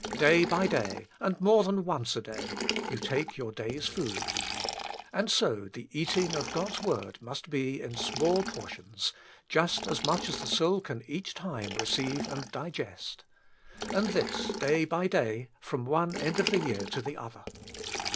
Day by day, and more than once a day, you take your day's food. And so the eating of God's word must be in small por tions, just as much as the soul can each time receive and digest. And this, day by day, from one end of the year to the other.